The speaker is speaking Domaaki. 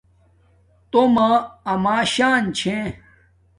تومہ اما شان چھے